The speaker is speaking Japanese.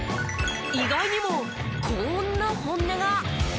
意外にもこんな本音が。